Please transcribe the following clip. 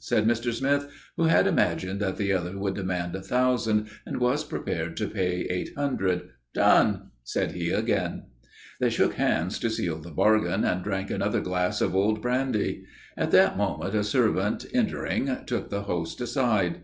said Mr. Smith, who had imagined that the other would demand a thousand and was prepared to pay eight hundred. "Done!" said he again. They shook hands to seal the bargain and drank another glass of old brandy. At that moment, a servant, entering, took the host aside.